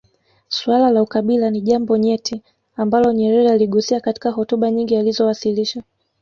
Suala la ukabila ni jambo nyeti ambalo nyerere aligusia katika hotuba nyingi alizowasilisha